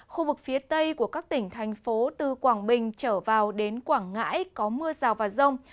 khu vực phía tây của các tỉnh thành phố từ quảng bình trở vào đến quảng ngãi có mưa rào và rông